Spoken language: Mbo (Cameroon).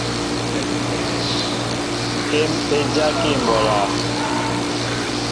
Kém é dyákí mɓolā.